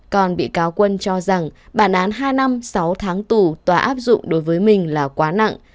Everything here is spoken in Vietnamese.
còn bị cáo quân cho rằng bản án hai năm sáu tháng tù tòa áp dụng đối với mình là quá nặng